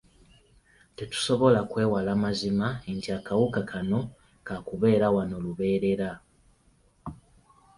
Tetusobola kwewala mazima nti akawuka kano ka kubeera wano lubeerera.